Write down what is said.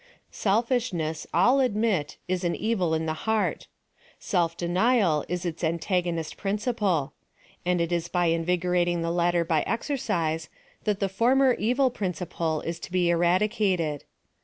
Selfishness^ all admit, is an evil in the heart. Self denial is its antago nist principle ; and it is by invigorating the latter by exercise, that the former evil principle is to be eradicated.